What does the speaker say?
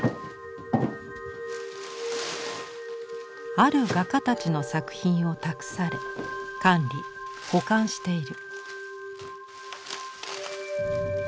ある画家たちの作品を託され管理保管している。